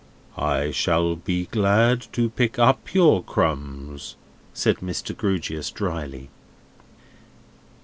"I shall be glad to pick up your crumbs," said Mr. Grewgious, dryly.